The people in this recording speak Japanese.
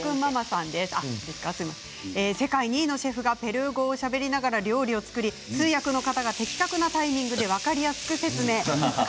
世界第２位のシェフがペルー語をしゃべりながら料理を作り通訳の方が的確なタイミングで分かりやすく説明。